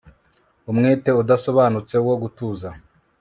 Umwete udasobanutse wo gutuza